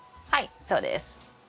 はいそうです。